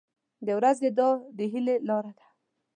• د ورځې دعا د هیلې لاره ده.